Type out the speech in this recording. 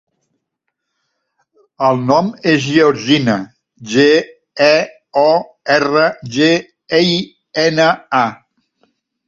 El nom és Georgina: ge, e, o, erra, ge, i, ena, a.